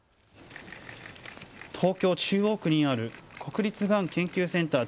東京中央区にある国立がん研究センター